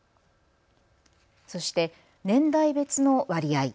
そして年代別の割合。